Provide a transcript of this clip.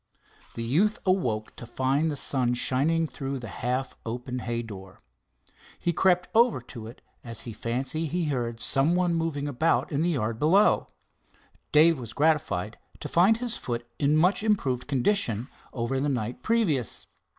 The youth awoke to find the sun shining through the half open hay door. He crept over to it as he fancied he heard some one moving about in the yard below. Dave was gratified to find his foot in much improved condition over the night previous.